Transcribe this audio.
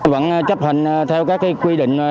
vẫn chấp hành theo các quy định